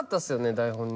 台本に。